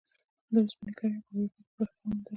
د اوسپنې کرښې په اروپا کې پراختیا وموندله.